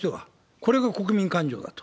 これが国民感情だと。